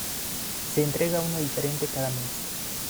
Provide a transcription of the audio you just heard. Se entrega una diferente cada mes.